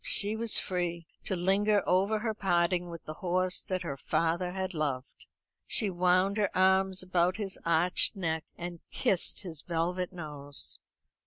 She was free to linger over her parting with the horse that her father had loved. She wound her arms about his arched neck, and kissed his velvet nose.